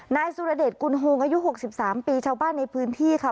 นายสุรเดชกุลโฮงอายุ๖๓ปีชาวบ้านในพื้นที่ค่ะ